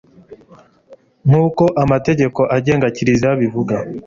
nk uko amategeko agenga kiliziya abivuga